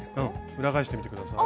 裏返してみて下さい。